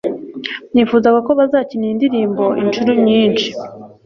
Nifuzaga ko bazakina iyi ndirimbo inshuro nyinshi.